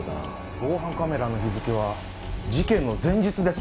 防犯カメラの日付は事件の前日です。